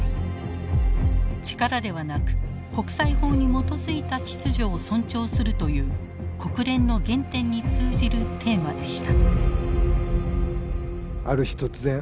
力ではなく国際法に基づいた秩序を尊重するという国連の原点に通じるテーマでした。